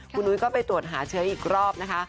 คุณนุ้ยก็ไปตรวจหาเชื้ออีกรอบนะคะ